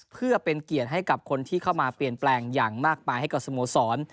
เพื่อเป็นเกียรติให้กับคนที่เข้ามาเปลี่ยนแปลงอย่างมากมายให้กับสโมสร